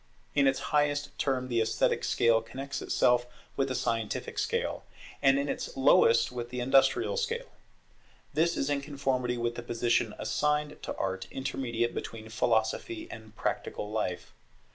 In its highest term the esthetic scale connects itself with the scientific scale; and in its lowest with the industrial scale. This is in conformity with the position assigned to Art intermediate between Philosophy and Practical life.